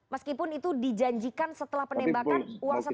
meskipun itu dijanjikan setelah penembakan